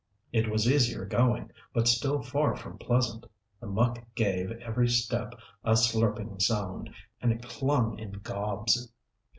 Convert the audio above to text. It was easier going, but still far from pleasant. The muck gave every step a slurping sound, and it clung in gobs.